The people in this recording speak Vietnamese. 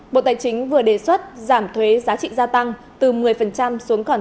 bộ tài chính vừa đề xuất giảm thuế giá trị gia tăng từ một mươi xuống còn